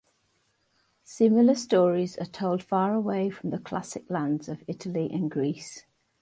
Similar stories are told far away from the classic lands of Italy and Greece.